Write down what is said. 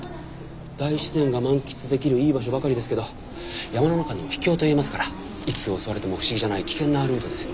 大自然が満喫できるいい場所ばかりですけど山の中の秘境と言えますからいつ襲われても不思議じゃない危険なルートですよ。